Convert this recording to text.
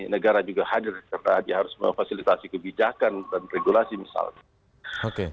negara juga hadir karena dia harus memfasilitasi kebijakan dan regulasi misalnya